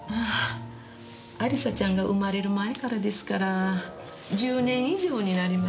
亜里沙ちゃんが生まれる前からですから１０年以上になります。